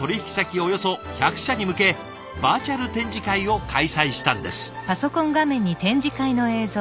およそ１００社に向けバーチャル展示会を開催したんです。